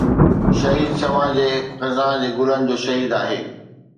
شهيد شمع جي خزان جي گلن جو شهيد آهي